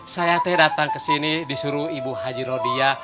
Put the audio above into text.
saya datang ke sini disuruh ibu haji rodia